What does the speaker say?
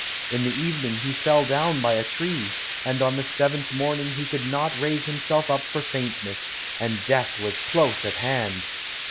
In the evening he fell down by a tree, and on the seventh morning he could not raise himself up for faintness, and death was close at hand.